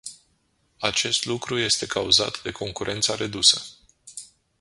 Acest lucru este cauzat de concurența redusă.